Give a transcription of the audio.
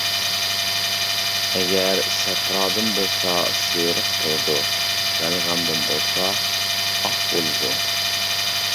ئەگەر سەپرادىن بولسا سېرىق بولىدۇ، بەلغەمدىن بولسا ئاق بولىدۇ.